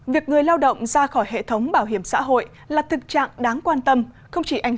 việc người lao động ra khỏi hệ thống bảo hiểm xã hội là thực trạng đáng quan tâm không chỉ ảnh